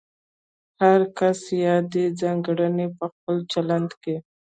هر کس یادې ځانګړنې په خپل چلند کې